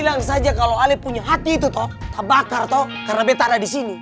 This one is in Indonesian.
gak bisa aja kalo ali punya hati itu toh tak bakar toh karena betta ada di sini